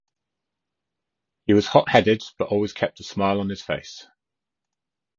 He was hot-headed but always kept a smile on his face.